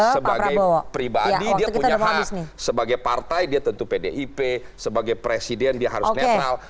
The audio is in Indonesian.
sebagai pribadi dia punya hak sebagai partai dia tentu pdip sebagai presiden dia harus netral